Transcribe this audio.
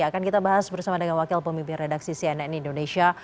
akan kita bahas bersama dengan wakil pemimpin redaksi cnn indonesia